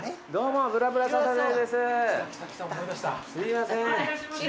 すいません。